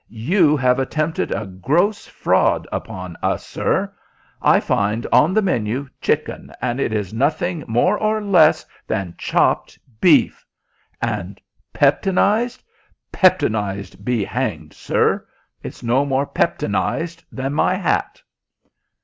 "You have attempted a gross fraud upon us, sir. I find on the menu, chicken, and it is nothing more nor less than chopped beef. And 'peptonized' peptonized be hanged, sir! It's no more peptonized than my hat!"